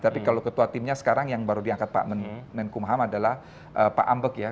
tapi kalau ketua timnya sekarang yang baru diangkat pak menkumham adalah pak ambek ya